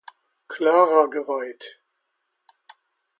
Klara geweiht.